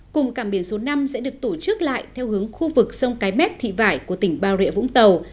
cùng cảng biển số năm sẽ được tổ chức lại theo hướng khu vực sông cái mép thị vải của tỉnh bà rịa vũng tàu